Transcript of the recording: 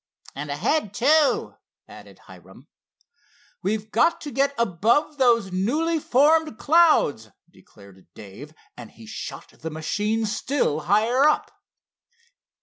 "And ahead, too," added Hiram. "We've got to get above those newly formed clouds," declared Dave, and he shot the machine still higher up.